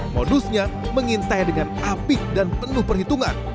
modusnya mengintai dengan apik dan penuh perhitungan